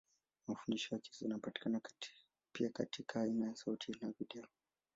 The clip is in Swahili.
Mafundisho yake zinapatikana pia katika aina ya sauti na video.